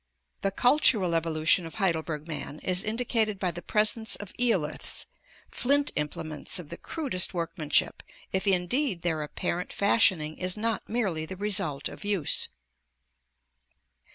The cultural evo lution of Heidelberg man is indicated by the pres ence of eoliths, flint im plements of the crudest workmanship, if indeed their apparent fashion ing is not merely the result of use.